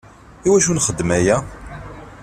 Iwacu nxeddem aya?